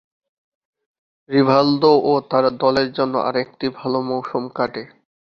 Rivaldo ও তার দলের জন্য আরেকটি ভাল মৌসুম কাটে।